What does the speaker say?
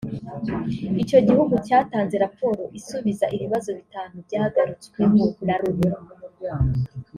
icyo gihugu cyatanze raporo isubiza ibibazo bitanu byagarutsweho na Loni